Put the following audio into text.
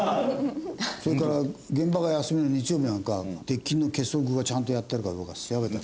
それから現場が休みの日曜日なんかは鉄筋の結束がちゃんとやってあるかどうか調べたり。